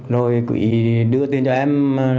rồi quý đưa tiền cho em